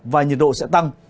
và nhiệt độ sẽ tăng